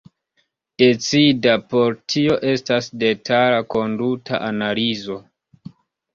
Decida por tio estas detala konduta analizo.